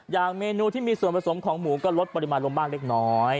อย่างเมนูที่มีส่วนผสมของหมูก็ลดปริมาณลงบ้างเล็กน้อย